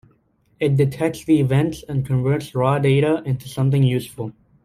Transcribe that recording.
It detects the events and converts raw data into something useful.